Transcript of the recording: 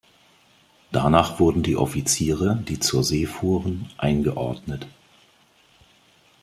Danach wurden die Offiziere, die zur See fuhren, eingeordnet.